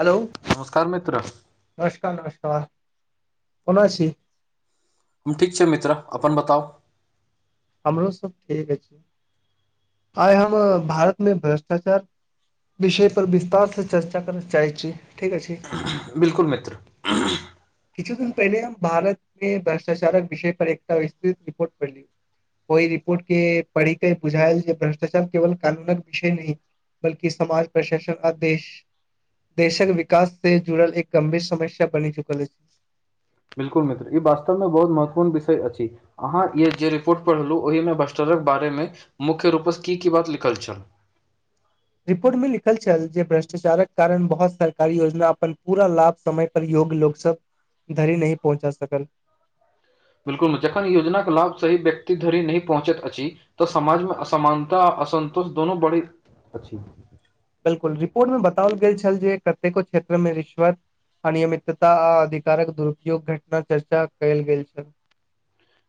Hello नमस्कार मित्र नमस्कार नमस्कार कोना छी हम ठीक छै मित्र अपन बताउ हमरो सब ठीक अछि आय हम भारत मे भ्रष्टाचार विषय पर विस्तारसँ चर्चा करऽ चाहै छी ठीक अछि बिल्कुल मित्र किछु दिन पहिले हम भारत मे भ्रष्टाचारक विषय पर एकटा विस्तृत रिपोर्ट पैली ओई रिपोर्ट के पढ़ी केे बुझायल जे भ्रष्टाचार केवल कानूनक विषय नहि बल्कि समाज प्रशासन आ देेश देशक विकास से जुड़ल एक गंभीर समस्या बनी चुकल अछि बिल्कुल मित्र ई वास्तव मे बहुत महत्वपूर्ण विषय अछि अहाँ ई जे रिपोर्ट पढ़लहुँ ओहिमे भस्टरक बारेमे मुख्य रूपसँ की की बात लिखल छल रिपोर्ट मे लिखल छल जे भ्रष्टाचारक कारण बहुत सरकारी योजना अपन पूरा लाभ समय योग्य लोक सब धरि नहि पहुँचा सकल बिल्कुल जखन योजनाके लाभ सही व्यक्ति धरि नहि पहुँचैत अछि तऽ समाजमे असमानता आ असन्तोष दोनो बढ़ैत अछि बिल्कुल रिपोर्ट मे बताओल गेल छल जे कतेको क्षेत्रमे रिश्वत अनियमितता आ अधिकारक दुरूपयोग घटना चर्चा कयेल गेल छै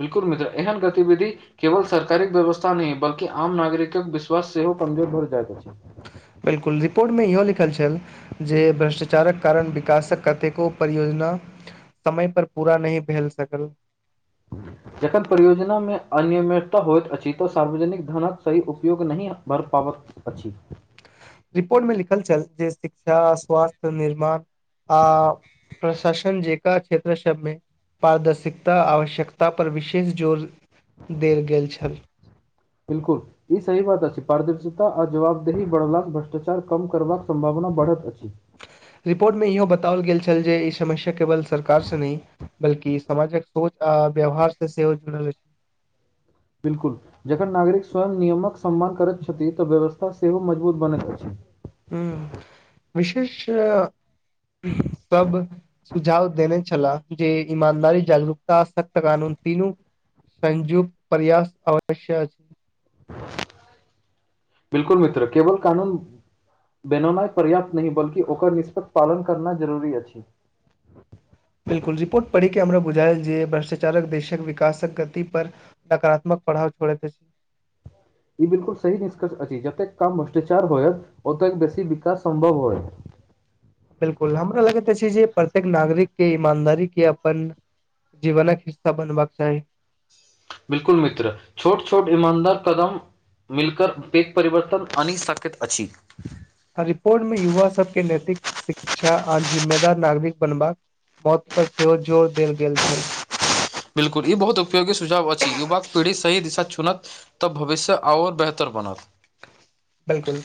बिल्कुल मित्र एहन गतिविधि केवल सरकारीक व्यवस्था नहि बल्कि आम नागरिकक विश्वास सेहो कमजोर भर जाे छै बिल्कुल रिपोर्टमे इहो लिखल छल जे भ्रष्टाचारक कारण विकासक कतेको परियोजना समय पर पूरा नहि भेल सकल जखन परियोजनामे अनियमितता होइत अछि तऽ सार्वजनिक धनक सही उपयोग नहि भर पाब अछि रिपोर्ट मे लिखल छल जे शिक्षा स्वास्थ्य निर्माण आ प्रशासन जे क्षेत्र सभमे पारदर्शिकता आवश्यकता पर विशेष जोड़ देल गेल छल बिल्कुल ई सही बात अछि पारदर्शता आ जवाबदेही बढ़ला भ्रष्टाचार कम करबाक सम्भावना बढ़त अछि रिपोर्टमे इहो बताओल गेल छल जे ई समस्या केवल सरकारसँ नहि बल्कि समाजक सोच आ व्यवहार से सेहो जुड़ल अछि बिल्कुल जखन नागरिक स्वयं नियमक सम्मान करैत छथि तऽ व्यवस्था सेहो मजबूत बनैत अछि ह्म विशेषय तब सुझाव देने छलाह जे ईमानदारी जागरूकता सख्त कानून तीनू संजुक प्रयास अवश्य [inaudible] बिल्कुल मित्र केवल कानून बेनौनाइ पर्याप्त नहि बल्कि ओकर निष्पत्त पालन करनाइ जरूरी अछि बिल्कुल रिपोर्ट पढ़िकेऽ हमरा बुझाएल जे भ्रष्टाचारक देशक विकासक गतिपर नकारात्मक पढ़ाव छोड़ैत अछि ई बिल्कुल सही निष्कर्ष अछि जते काम भ्रष्टाचार होयत ओतेक बेसी विकास सम्भव होयत बिल्कुल हमरा लगैत अछि जे प्रत्येक नागरिक के ईमानदारी के अपन जीवनके हिस्सा बनबाक चाही बिल्कुल मित्र छोट छोट ईमानदार कदम मिलकर पेघ परिवर्तन आनि साकैत अछि रिपोर्ट मे युवा सबके नैतिक शिक्षा आ जिम्मेदार नागरिक बनबाक मौत पर सेहो जोर देल गेल छल बिल्कुल ई बहुत उपयोगी सुझाव अछि युवक पीढ़ी सही दिशा चुनत तऽ भविष्य आओर बेहतर बनत बिलकुल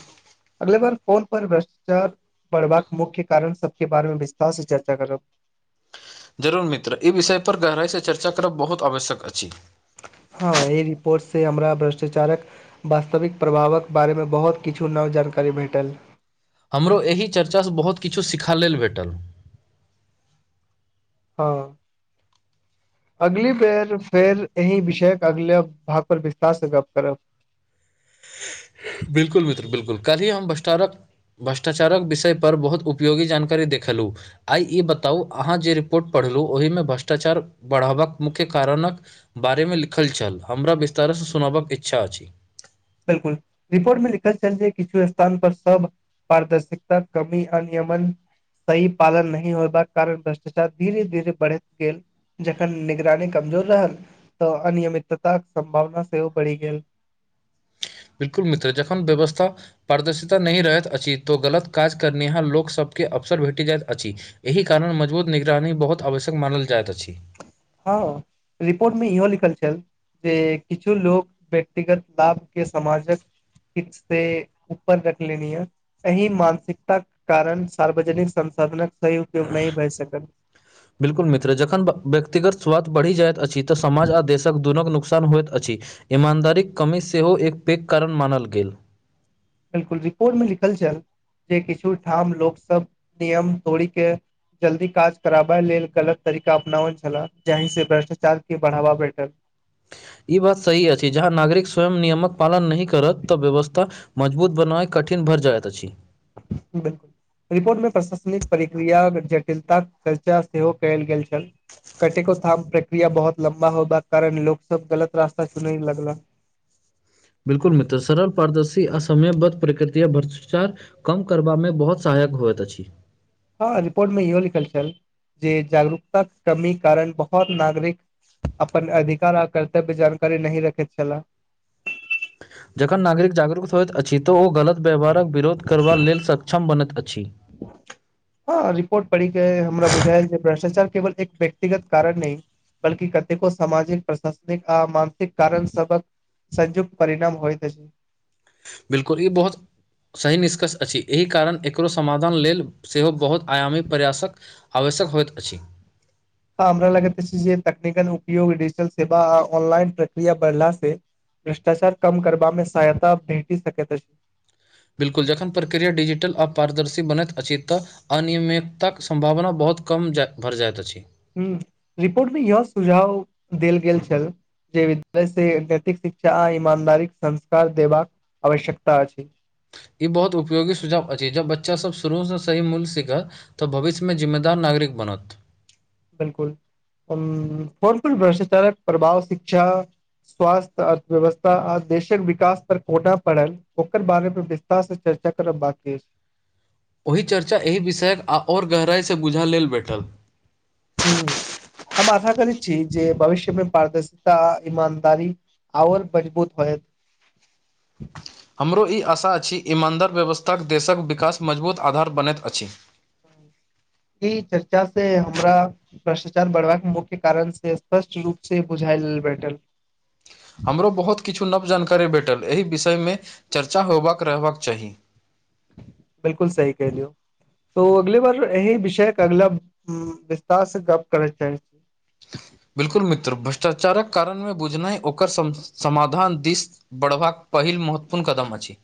अगला बार फोन पर भ्रष्टाचार पढ़बाक मुख्य कारण सबके बारे मे विस्तार से चर्चा करब जरूर मित्र ई विषय पर गहराइसँ चर्चा करब बहुत आवश्यक अछि हँ ई रिपोर्ट से हमरा भ्रष्टाचारक वास्तविक प्रभावक बारेमे बहुत किछु नव जानकारी भेटल हमरो एहि चर्चासँ बहुत किछु सिखऽ लेल भेटल हँ अगली बेर फेर एहि विषयके अगला भाग पर विस्तार से गप करब बिल्कुल मित्र बिल्कुल कल्हि हम भस्टारक भ्रष्टाचारक विषयपर बहुत उपयोगी जानकारी देखेहलु आय ई बताउ अहाँ जे रिपोर्ट पढ़लहुँ ओहिमे भ्रष्टाचार बढ़बाक मुख्य कारणक बारेमे लिखल छल हमरा विस्तारसँ सुनबाक इच्छा अछि बिल्कुल रिपोर्ट मे लिखल छल जे किछु स्थान पर सब पारदर्शिकता कमी अनियमन सही पालन नहि होयबाक कारण भ्रष्टाचार धीरे धीरे बढ़ैत गेल जखन निगरानी कमजोर रहल तऽ अनियमिताक सम्भावना सेहो बढ़ि गेल बिल्कुल मित्र जखन व्यवस्था पारदर्शिता नहि रहैत अछि तो गलत काज करनेहार लोकसभके अवसर भेटी जाइत अछि एहि कारण मजबूत निगरानी बहुत आवश्यक मानल जायइत अछि हँ रिपोर्ट मे इहो लिखल छल जे किछु लोक व्यक्तिगत लाभ के समाजक किस से उपर रख लेनी य एहि मानसिकताक कारण सार्वजनिक संसाधनक सही उपयोग नहि भए सकल बिल्कुल मित्र जखन व्यक्तिगत स्वाद बढ़ि जाइत अछि तऽ समाज आ देशक दुनूक नुकसान होइत अछि ईमानदारीक कमी सेहो एक पैघ कारण मानल गेल बिल्कुल रिपोर्ट मे लिखल छल जे किछु ठाम लोक सब नियम तोड़ीक के जल्दी काज कराबा लेल गलत तरीका अपनाबल छलाह जाहि से भ्रष्टाचार के बढ़ावा भेटल ई बात सही अछि जहाँ नागरिक स्वयं नियमक पालन नहि करत तऽ व्यवस्था मजबूत बनय कठिन भर जायत अछि बिल्कुल रिपोर्ट मे प्रशासनिक प्रक्रिया जटिलताक चर्चा सेहो कयल गेल छल कटेेको थाम प्रक्रिया बहुत लम्बा होबा कारण लोग सब गलत रास्ता चुन लगला बिल्कुल मित्र सरल पारदर्शी असमय ब प्रकृतिया भ्रष्टाचार कम करबा मे बहुत सहायक होइत अछि हँ रिपोर्ट में इहो लिखल छल जे जागरूकता के कमी कारण बहुत नागरिक अपन अधिकार आ कर्तव्य जानकारी नही रखैत छलाह जखन नागरिक जागरूक होइत अछि तऽ ओ गलत व्यवहारक विरोध करबा लेल सक्षम बनैत अछि हँ रिपोर्ट पढ़िक के हमरा बुझाय जे भ्रष्टाचार केवल एक व्यक्तिगत कारण नहि बल्कि कतेको सामाजिक प्रशासनिक आ मानसिक कारण सबक संजोग परिणाम होइत अछि बिल्कुल ई बहुत सही निष्कर्ष अछि एहि कारण एकरो समाधान लेल सेहो बहुत आयामी प्रयासक आवश्यक होइत अछि तऽ हमरा लगैत जे तक्निकल उपयोग डिजिटल सेवा आ ऑनलाइन प्रक्रिया बढ़ला से भ्रष्टाचार कम करबामे सहायता भेटी सकै त बिल्कुल जखन प्रक्रिया डिजिटल आर पारदर्शी बनैत अछि तऽ अनियमितताक सम्भावना बहुत कम भरि जाइत अछि ह रिपोर्ट मे यह सुझाव देल गेल छल जे विद्यालय से नैतिक शिक्षा आ ईमानदारी के संस्कार देबाक आवश्यकता अछि ई बहुत उपयोगी सुझाव अछि जब बच्चा सब शुरूसँ सही मूल्य सिखा तऽ भविष्य मे जिम्मेदार नागरिक बनत। बिल्कुल भ्रष्टाचार प्रभाव शिक्षा। स्वास्थ्य, अर्थव्यवस्था आ देशक विकास पर कोटा पड़ल। ओकर बारेमे विस्तार से चर्चा करब बकी ओहि चर्चा एहि विषयके आओर गहराइसँ बुझि लेबाक भेटल। हँ, हम आशा करैत छी जे भविष्य मे पारदर्शिता, ईमानदारी आओर मजबूत होय। हमरो ई आशा अछि। ईमानदार, व्यवस्थाके देशक विकास मजबूत आधार बनैत अछि। ई चर्चा से हमरा। भ्रष्टाचार, बढ़बाक मुख्य कारण से स्पष्ट रूप से बुझायल भेटल। हमरो बहुत किछु नव जानकारी भेटल। एहि विषयमे चर्चा होयबाक रहबाक चाही। बिल्कुल सही कहि दियौ। तऽ अगिला बेर एहि विषयके अगिला विस्तारसँ गप करै चाही। बिल्कुल मित्र, भ्रष्टाचारक कारण बुझनाइ आ ओकर समाधान दिस बढ़वा पहिल महत्वपूर्ण कदम अछि।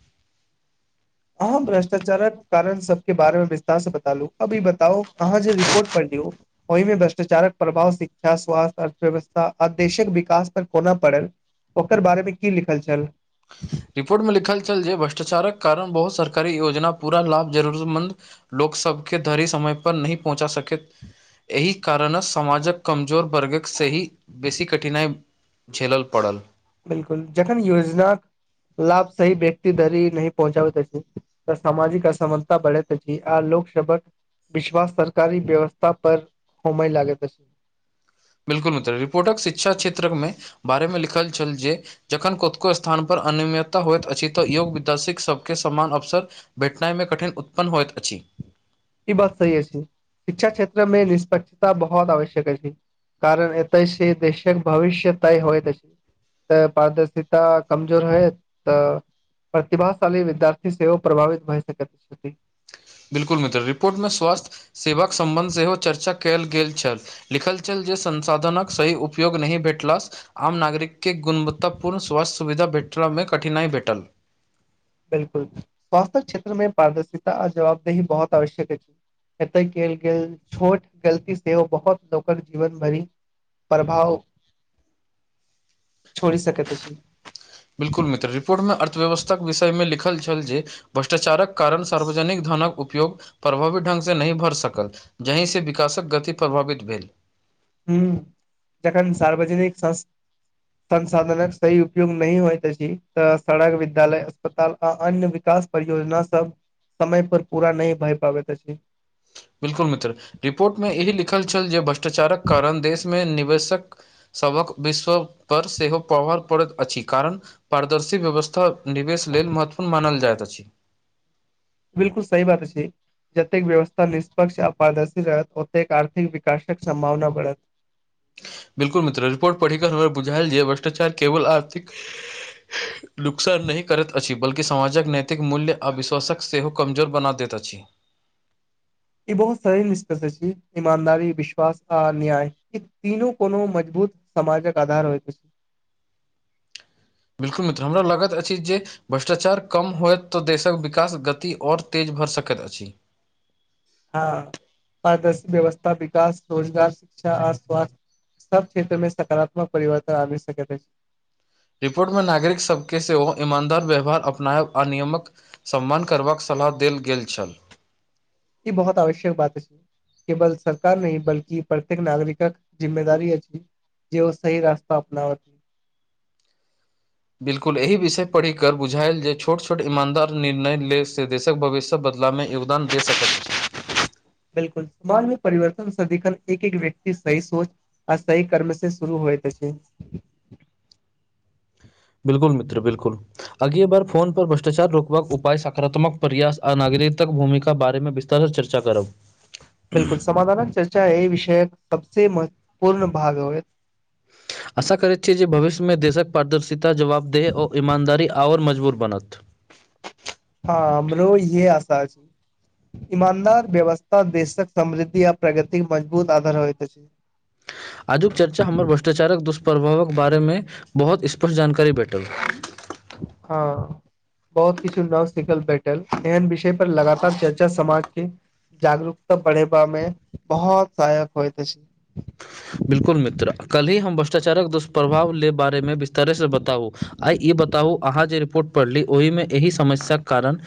अहाँ भ्रष्टाचारक कारण सभके बारे मे विस्तारसँ बतालू अभी बताउ अहाँ जे रिपोर्ट प दियऔ ओहिमे भ्रष्टाचारक प्रभाव शिक्षा, स्वास्थ्य अर्थव्यवस्था, आ देशक विकास पर कोना पड़ल। ओकर बारेमे की लिखल छल? रिपोर्ट में लिखल छल जे भ्रष्टाचारक कारण बहुत सरकारी योजना पूरा लाभ जरूरत मंन्द। लोक सभके धरी समय पर नहि पहुँचा सकै। एहि कारणसँ समाजक कमजोर वर्गकसँ ही बेसी कठिनाइ। झेलल पड़ल। बिल्कूल जखन योजनाक। लाभ सही व्यक्ति धरि न पहुँचाबै तऽ छै। तऽ सामाजिक असमलता बढ़ैत त छी आ लोक सभक विश्वास सरकारी व्यवस्था पर होमइ लागे त छै। बिल्कुल मित्र रिपोर्टक, शिक्षा क्षेत्र मे बारे मे लिखल छल जे। जखन कतको स्थान पर अनियमितता होयइत अछि तऽ योग विद्यासिक सभके समान अवसर। भेटनाइमे कठिन उत्पन्न होइत अछी ई बात सही अछि छै। शिक्षा क्षेत्र में निष्पक्षता बहुत आवश्यक छै। कारण एत छै। देशक भविष्य होइ त छै तऽ पारदर्शता कमजोर है तऽ प्रतिभाशाली, विद्यार्थी सेहो प्रभावित भहि सकैत। बिल्कुल मित्र रिपोर्टमे स्वास्थ्य सेवाक सम्बन्ध सेहो चर्चा कयल गेल छल। लिखल छल जे संसाधनक सही उपयोग नहि भेटल। आम नागरिकके गुणवत्तापूर्ण स्वास्थ्य सुविधा भेटबामे कठिनाइ भेटल। बिल्कुल, स्वास्थ्य क्षेत्रमे पारदर्शिता आ जवाबदेही बहुत आवश्यक छै। एते कल गेल छोट गलती सेहो बहुत लोकक जीवन भरी। प्रभाव छोड़ सक त बिल्कूल मित्र रिपोर्ट मे अर्थव्यवस्थाक विषयमे लिखल छल जे भ्रष्टाचारक कारण सार्वजनिक धनक उपयोग। प्रभावित ढंग से नहि भर सकल जहि से विकासक गति प्रभावित भेल हू जझन सार्वजनिक संसाधनक सही उपयोग नी होयइत अछि। तऽ सड़क विद्यालय अस्पताल आ अन्य विकास। परियोजना सभ समय पर पूरा नहि भऽ पाबैत अछि। बिल्कूल मित्र रिपोर्ट मे एहि लिखल छल। जे भ्रष्टाचारक कारण देशमे निवेशक सभक विश्व पर सेहो प्रभाव पड़ैत अछि। कारण पारदर्शी व्यवस्था निवेश लेल महत्वपूर्ण मानल जाइत अछि। बिल्कुल सही बात अछि। जतेक व्यवस्था निष्पक्ष आ पारदर्शी रहत, ओतेक आर्थिक विकासक सम्भावना बढ़त। बिल्कुल मित्र रिपोर्ट पढ़िकऽ हमर बुझायल जे भ्रष्टाचार केवल आर्थिक नुकसान नहि करैत अछि बल्कि समाजक नैतिक मूल्य आ विश्वासक सेहो कमजोर बना दैत अछि ई बहुत सही निष्कर्ष अछि ईमानदारी, विश्वास आ न्याय ई तीनू कोनो मजबूत समाजक आधार होइत अछि। बिल्कुल मित्र हमरा लागत अछि जे भ्रष्टाचार कम होयत तऽ देशक विकास गति और तेज भऽ सकैत अछि हँ आदर्श व्यवस्था विकास रोजगार शिक्षा आस्वास्थ सब क्षेत्र मे सकारात्मक परिवर्तन आनि सकैत अछि रिपोर्ट मे नागरिक सबके सेहो ईमानदार व्यवहार अपनाब आ नियमक सम्मान करबाक सलाह देल गेल छल। ई बहुत आवश्यक बात अछि। केवल सरकार नहि बल्कि प्रत्येक नागरिकक जिम्मेदारी अछि जे ओ सही रास्ता अपना ओत बिल्कुल एहि विषय पढ़िक बुझायल जे छोट छोट ईमानदार निर्णय ले से देशक भविष्य तो बदलामे योगदान दे सकैत अछि। बिल्कुल मोन मे परिवर्तन सदिखन एक एक व्यक्ति सही सोच आ सही कर्म से शुरू होइत अछि। बिल्कुल मित्र बिल्कुल अगिले बार फोन पर भ्रष्टाचार रोकबाक उपाय सकारात्मक प्रयास आ नागरिकतक भूमिका बारे मे विस्त तहन चर्चा करब बिल्कुल समाधानक चर्चा ऐ विषयक सबसे महत्वपूर्ण भाग होयत आशा करैत छी जे भविष्यमे देशक पारदर्शिता जवाबदेह ओ ईमानदारी आओर मजबूत बनत हँ हमरो इहे आशा अछि ईमानदार व्यवस्था देशक समृद्धि आ प्रगति के मजबूत आधार होइत अछि आजुक चर्चा हमर भ्रष्टाचारक दुष्प्रभावक बारे मे बहुत स्पष्ट जानकारी भेटल हँ बहुत किछु नव सिखल भेटल एहन विषय पर लगातार चर्चा समाज के जागरूकता बढ़ेबा मे बहुत सहायक होइत अछि। बिल्कुल मित्र काल्हि हम भ्रष्टाचारक दुष्प्रभाव ले बारे मे विस्तारेसँ बताउ आइ ई बताउ अहाँ जे रिपोर्ट पढ़ली ओहिमे एहि समस्याक कारण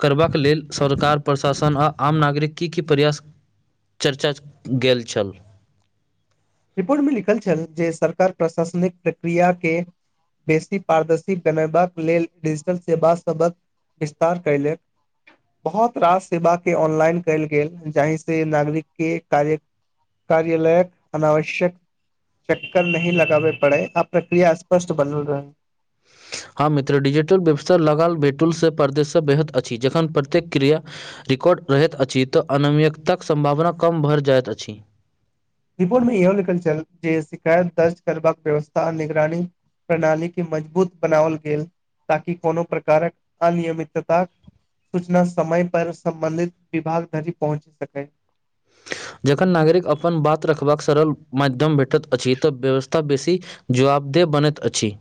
करबाक लेल सरकार प्रशासन आ आम नागरिक कि कि प्रयास चर्चा गेल छल रिपोर्ट मे लिखल छल जे सरकार प्रशासनिक प्रक्रिया के बेसी पारदर्शी बनेबाक लेल डिजिटल सेवा सभक विस्तार कयले बहुत रास सेवा के ऑनलाइन कयल गेल जहि से नागरिक के कार्य कार्यालयक अनावश्यक चक्कर नहि लगाबय पड़य आ प्रक्रिया स्पष्ट बनल रहय हँ मित्र डिजिटल व्यवस्था लगाल वेटुलसँ परदेशसँ बेहद अछि जखन प्रत्येक क्रिया रिकॉर्ड रहैत अछि तऽ अनियमितता क सम्भावना कम भर जाइत अछि रिपोर्ट मे इहो लिखल छल जे शिकायत दर्ज करबाक व्यवस्था आ निगरानी प्रणालीे के मजबूत बनाओल गेल ताकि कोनो प्रकारक अनियमितता सूचना समय पर सम्बन्धित विभाग धरि पहुँच सकैय जखन नागरिक अपन बात रखबाक सरल माध्यम भेटैत अछि तऽ व्यवस्था बेसी जवाबदेह बनैत अछि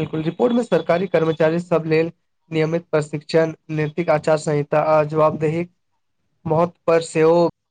बिलकुल रिपोर्ट मे सरकारी कर्मचारी सब लेल नियमित प्रशिक्षण नैतिक आचार संहिता आ जवाबदेही महत्व पर सेहो